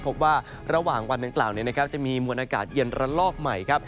พบว่าระหว่างวันต่างต่างเนี้ยนะครับจะมีมวลอากาศเย็นระลอกใหม่ครับ